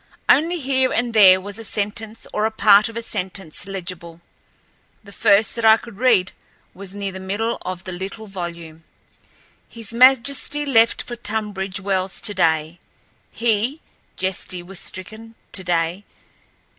Only here and there was a sentence or a part of a sentence legible. The first that I could read was near the middle of the little volume: "His majesty left for Tunbridge Wells today, he ... jesty was stricken ... terday.